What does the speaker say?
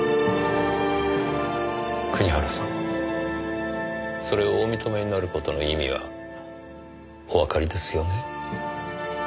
国原さんそれをお認めになる事の意味はおわかりですよね？